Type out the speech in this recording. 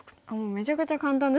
めちゃくちゃ簡単ですね。